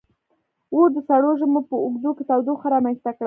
• اور د سړو ژمو په اوږدو کې تودوخه رامنځته کړه.